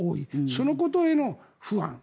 そのことへの不安。